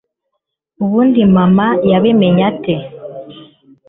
ubundi mama yabimenya ate